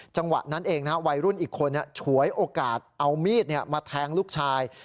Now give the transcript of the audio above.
จังหวะนั้นเองวัยรุ่นอีกคนฉวยโอกาสเอามีดมาแทงลูกชาย